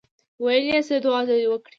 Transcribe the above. ویل یې څه دعا دې وکړه.